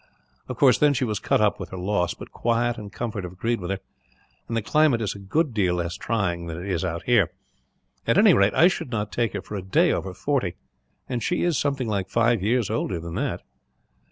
Of course, then she was cut up with her loss; but quiet and comfort have agreed with her, and the climate is a good deal less trying than it is out here. At any rate, I should not take her for a day over forty, and she is something like five years older than that."